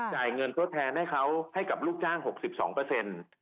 จ่ายเงินทดแทนให้เขาให้กับลูกจ้าง๖๒เปอร์เซ็นต์